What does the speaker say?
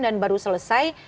dan baru selesai